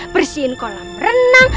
bersihin kolam renang